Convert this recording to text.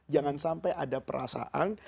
jangan sampai ada perasaan